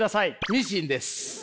ミシンです。